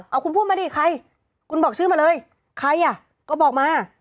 เอาคุณพูดมาดิใครคุณบอกชื่อมาเลยใครอ่ะก็บอกมา